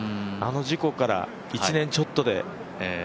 あの事故から、１年ちょっとで。